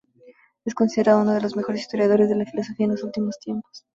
Es considerado uno de los mejores historiadores de la filosofía de los últimos tiempos.